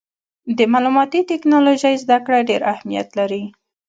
د معلوماتي ټکنالوجۍ زدهکړه ډېر اهمیت لري.